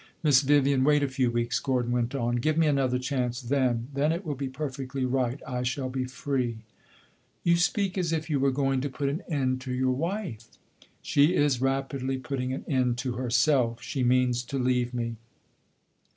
"Miss Vivian, wait a few weeks," Gordon went on. "Give me another chance then. Then it will be perfectly right; I shall be free." "You speak as if you were going to put an end to your wife!" "She is rapidly putting an end to herself. She means to leave me."